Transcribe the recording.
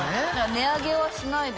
値上げはしないで。